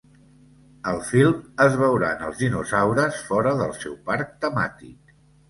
Al film es veuran els dinosaures fora del seu parc temàtic.